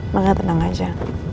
makanya tenang aja